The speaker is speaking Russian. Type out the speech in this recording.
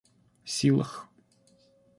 силах